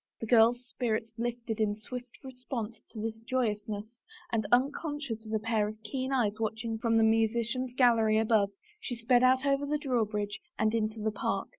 The girl's spirits lifted in swift response to its joyousness and unconscious of a pair of keen eyes watching from the musician's gallery above she sped out over the drawbridge and into the park.